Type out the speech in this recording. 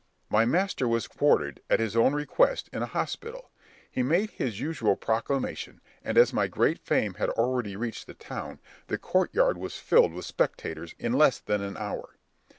My master was quartered, at his own request, in a hospital; he made his usual proclamation, and as my great fame had already reached the town, the court yard was filled with spectators in less than an hour.